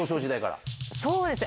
そうですね。